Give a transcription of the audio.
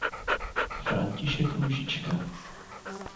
František Růžička.